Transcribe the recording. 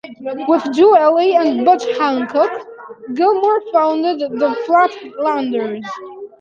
With Joe Ely and Butch Hancock, Gilmore founded The Flatlanders.